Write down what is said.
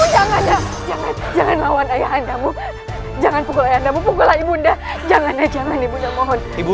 jangan jangan pukul ibu anda jangan jangan ibu anda mohon ibu